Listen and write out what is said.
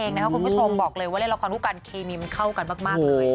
ก็คุณผู้ชมบอกเลยราคารคู่กันเข้ากันมากเลย